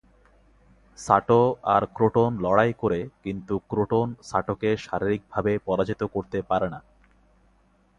সাটো আর ক্রোটন লড়াই করে কিন্তু ক্রোটন সাটোকে শারীরিকভাবে পরাজিত করতে পারে না।